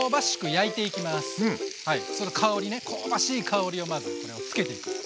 香りね香ばしい香りをまずこれをつけていく。